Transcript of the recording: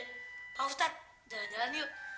pak ustadz jalan jalan yuk